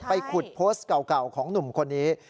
ขุดโพสต์เก่าของหนุ่มคนนี้